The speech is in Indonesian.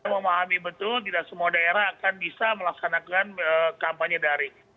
memahami betul tidak semua daerah akan bisa melaksanakan kampanye daring